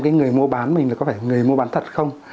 cái người mua bán mình là có phải người mua bán thật không